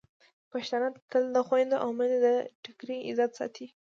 پښتانه تل د خویندو او میندو د ټکري عزت ساتي.